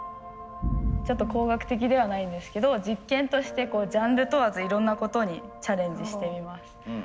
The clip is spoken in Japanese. ちょっと工学的ではないんですけど実験としてジャンル問わずいろんなことにチャレンジしてみます。